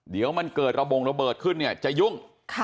เดี๋ยวมันเกิดระบงระเบิดขึ้นเนี่ยจะยุ่ง